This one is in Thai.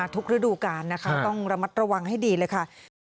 ต้องระมัดระวังให้ดีเลยค่ะ